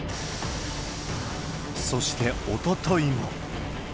そしておとといも。